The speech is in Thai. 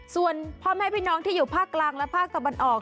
ส่วนพ่อแม่พี่น้องที่อยู่ภาคกลางและภาคตะวันออก